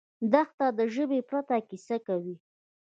دښته د ژبې پرته کیسه کوي.